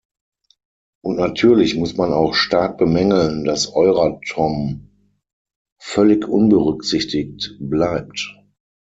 Und natürlich muss man auch stark bemängeln, dass Euratom völlig unberücksichtigt bleibt.